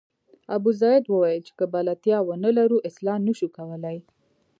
ابوزید وویل چې که بلدتیا ونه لرو اصلاح نه شو کولای.